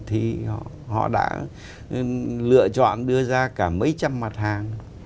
thì họ đã lựa chọn đưa ra cả mấy trăm mặt hàng